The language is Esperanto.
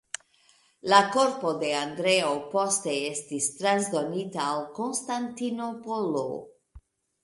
La korpo de Andreo poste estis transdonita al Konstantinopolo.